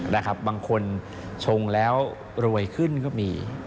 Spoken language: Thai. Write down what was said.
บางคนชงแล้วรวยขึ้นก็มี